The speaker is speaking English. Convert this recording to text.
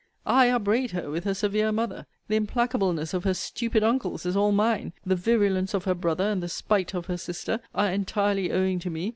I upbraid her with her severe mother. The implacableness of her stupid uncles is all mine. The virulence of her brother, and the spite of her sister, are entirely owing to me.